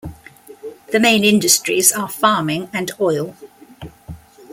The main industries are farming and oil.